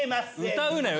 歌うなよ